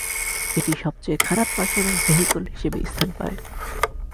এটি "সবচেয়ে খারাপ পারফর্মিং ভেহিকল" হিসেবে স্থান পায়।